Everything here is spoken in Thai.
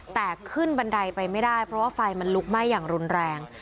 แต่ขึ้นบันไดไปไม่ได้เพราะว่าไฟมันลุกไหม้อย่างรุนแรง